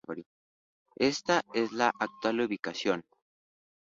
Esta es la actual ubicación.